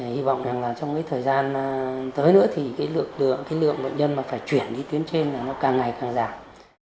hy vọng rằng là trong cái thời gian tới nữa thì cái lượng bệnh nhân mà phải chuyển đi tuyến trên là nó càng ngày càng giảm